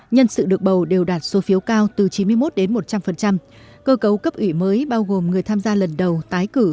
nhân sự được bầu đều đạt số phiếu cao từ chín mươi một đến một trăm linh cơ cấu cấp ủy mới bao gồm người tham gia lần đầu tái cử